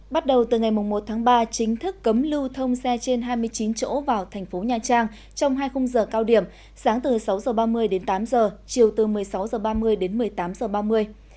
bắt đầu từ ngày một tháng ba chính thức cấm lưu thông xe trên hai mươi chín chỗ vào thành phố nha trang trong hai khung giờ cao điểm sáng từ sáu h ba mươi đến tám giờ chiều từ một mươi sáu h ba mươi đến một mươi tám h ba mươi